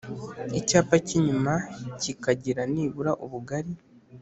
icyapa cy’inyuma kikagira nibura ubugari.